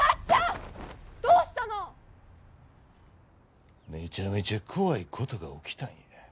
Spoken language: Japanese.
⁉どうしたの⁉めちゃめちゃ怖いことが起きたんや。